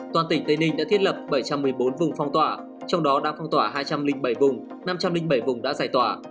toàn tỉnh tây ninh đã thiết lập bảy trăm một mươi bốn vùng phong tỏa trong đó đã phong tỏa hai trăm linh bảy vùng năm trăm linh bảy vùng đã giải tỏa